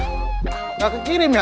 nggak kekirim ya